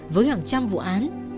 với hàng trăm vụ án